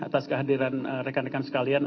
atas kehadiran rekan rekan sekalian